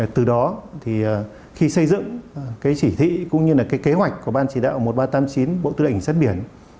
từ đó khi xây dựng chỉ thị cũng như kế hoạch của ban chỉ đạo một nghìn ba trăm tám mươi chín bộ tư ảnh sát biển